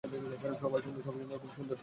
সবই সুন্দর, খুব সুন্দর চলছে।